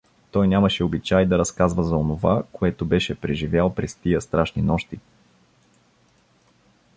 Той нямаше обичай да разказва за онова, което беше преживял през тия страшни нощи.